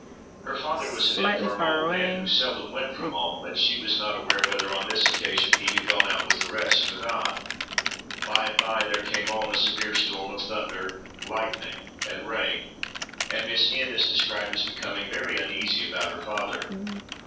Her father was an infirm old man, who seldom went from home, and she was not aware whether, on this occasion, he had gone out with the rest or not. By and by, there came on a severe storm of thunder, lightning, and rain, and Miss N—— is described as becoming very uneasy about her father.